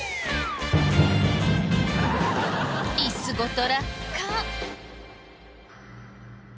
椅子ごと落下。